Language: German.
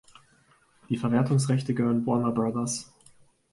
Die Verwertungsrechte gehören Warner Bros.